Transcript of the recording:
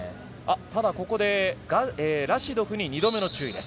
ただ、ここでラシドフに２度目の注意です。